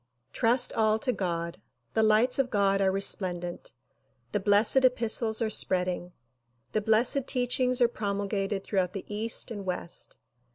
Trust all to God. The lights of God are resplendent. The blessed epistles are spreading. The blessed teachings are promul gated throughout the east and west.